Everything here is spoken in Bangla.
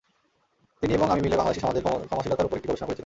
তিনি এবং আমি মিলে বাংলাদেশি সমাজের ক্ষমাশীলতার ওপর একটি গবেষণা করেছিলাম।